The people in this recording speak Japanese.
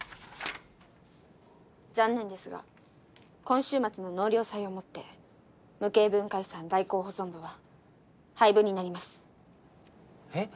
残念ですが今週末の納涼祭をもって無形文化遺産代行保存部は廃部になりますえっ？